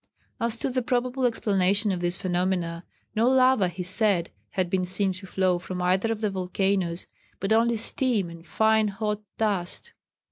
As to the probable explanation of these phenomena, no lava, he said, had been seen to flow from either of the volcanoes, but only steam and fine hot dust.